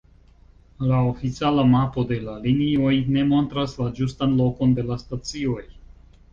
La oficiala mapo de la linioj ne montras la ĝustan lokon de la stacioj.